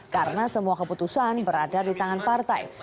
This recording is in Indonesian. karena semua keputusan berada di tangan partai